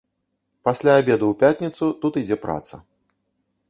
Пасля абеду ў пятніцу тут ідзе праца.